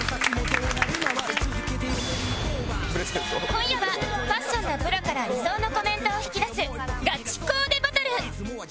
今夜はファッションのプロから理想のコメントを引き出すガチコーデバトル